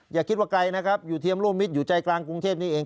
อย่าคิดว่าไกลนะครับอยู่เทียมร่วมมิตรอยู่ใจกลางกรุงเทพนี้เอง